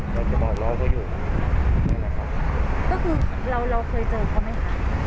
เราจะมาล้อเขาอยู่นี่แหละครับก็คือเราเราเคยเจอเขาไหมคะ